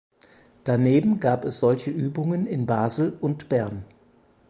Daneben gab es solche Übungen in Basel und Bern.